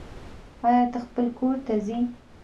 آيا ته خپل کور ته ځي